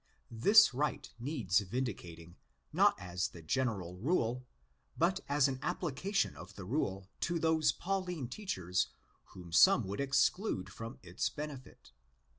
This right needs vindicating, not as the general rule, but as an application of the rule to those Pauline teachers whom some would exclude from its benefit.